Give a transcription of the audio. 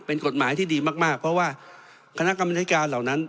เป็นกฎหมายที่ดีมากเพราะว่าคณะกรรมธิการเหล่านั้น